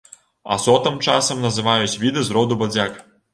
Асотам часам называюць віды з роду бадзяк.